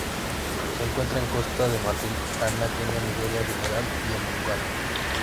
Se encuentra en Costa de Marfil, Ghana, Kenia, Nigeria, Senegal y en Uganda.